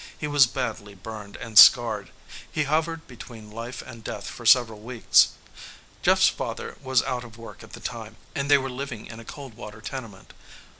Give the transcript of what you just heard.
He was badly burned and scarred. He hovered between life and death for several weeks. Jeff's father was out of work at the time and they were living in a cold water tenement.